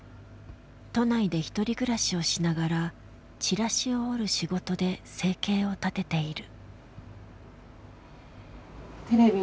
都内で一人暮らしをしながらチラシを折る仕事で生計を立てている。